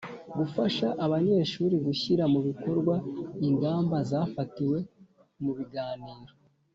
Gufasha abanyeshuri gushyira mu bikorwa ingamba zafatiwe mu biganiro